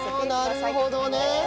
ああなるほどね！